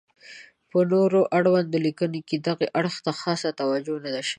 په نور اړوندو لیکنو کې دغې اړخ ته خاصه توجه نه ده شوې.